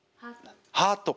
ハート。